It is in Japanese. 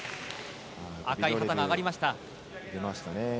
赤い旗が上がりました。